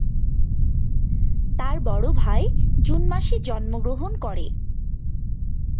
তার বড় ভাই জুন মাসে জন্মগ্রহণ করে।